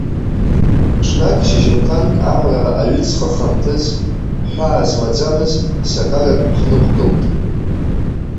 Ҽнак шьыжьымҭанк, амра аҩыҵхахамҭаз, ҳәаа змаӡамыз сакарак ҳнықәгылт.